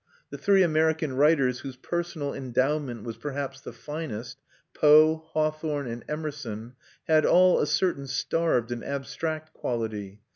The three American writers whose personal endowment was perhaps the finest Poe, Hawthorne, and Emerson had all a certain starved and abstract quality.